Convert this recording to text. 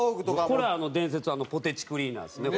これ伝説ポテチクリーナーですね。